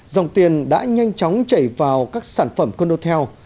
dòng tiền đã nhanh chóng chảy vào các sản phẩm condotel